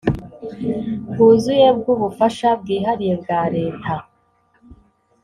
bwuzuye bw ubufasha bwihariye bwa Leta